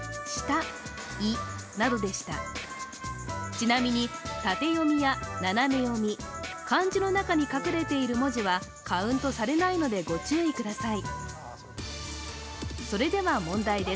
ちなみに、縦読みや斜め読み、漢字の中に隠れている文字はカウントされないのでご注意ください。